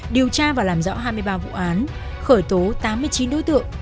điều tra và làm rõ hai mươi ba vụ án khởi tố tám mươi chín đối tượng